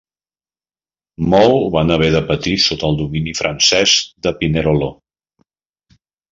Molt van haver de patir sota el domini francès de Pinerolo.